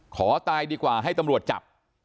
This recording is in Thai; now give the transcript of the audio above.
ขอตายดีกว่าให้ตำรวจจับ